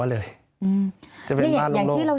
หลังบ้านที่เป็นฝั่งตรงข้ามใช่ไหมครับ